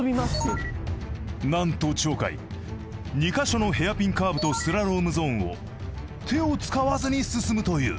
なんと鳥海２か所のヘアピンカーブとスラロームゾーンを手を使わずに進むという。